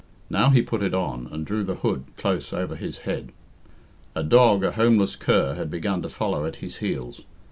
Now he put it on, and drew the hood close over his head. A dog, a homeless cur, had begun to follow at his heels.